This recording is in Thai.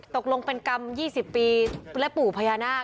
ตกลงเป็นกรรม๒๐ปีและปู่พญานาค